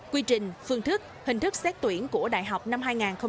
quy trình phương thức hình thức xét tuyển của đại học năm hai nghìn hai mươi